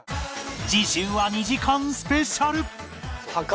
次週は２時間スペシャル